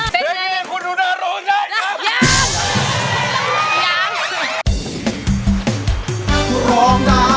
เพลงนี้คุณฮูนารูน่ะ